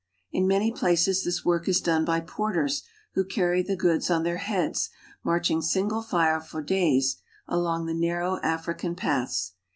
In many places this work is done by porters who carry the goods on their heads, marching single file for days along the narrow African paths.